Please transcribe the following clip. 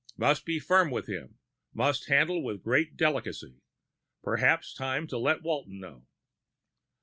Must be firm with him, and must handle with great delicacy. Perhaps time to let Walton know.